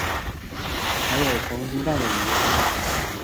还有黄金蛋的鱼